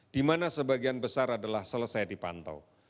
di mana sebagian besar adalah selesai dipantau